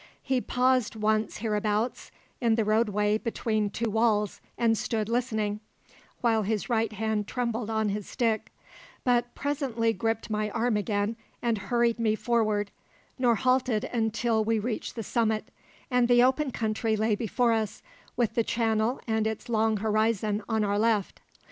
He paused once hereabouts, in the roadway between two walls, and stood listening, while his right hand trembled on his stick; but presently gripped my arm again and hurried me forward, nor halted until we reached the summit, and the open country lay before us, with the Channel and its long horizon on our left.